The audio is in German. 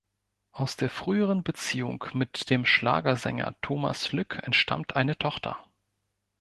Aus der früheren Beziehung mit dem Schlagersänger Thomas Lück entstammt eine Tochter.